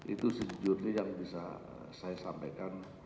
itu sejujurnya yang bisa saya sampaikan